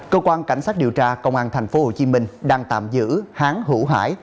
cơ quan cảnh sát điều tra công an tp hồ chí minh đang tạm giữ hán hữu hải